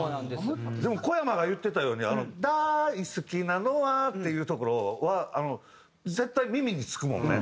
でもこやまが言ってたように「大すきなのは」っていうところは絶対耳につくもんね。